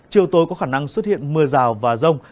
chiều tối có khả năng xuất hiện mưa rào và rông